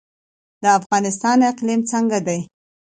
د افغانستان اقلیم څنګه دی؟